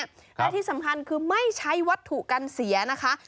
และที่สำคัญคือไม่ใช้วัตถุกันเสียนะคะ